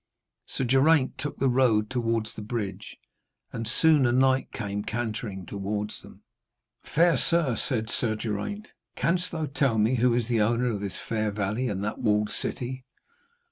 Sir Geraint took the road towards the bridge, and soon a knight came cantering towards them. 'Fair sir,' said Sir Geraint, 'canst thou tell me who is the owner of this fair valley and that walled city?'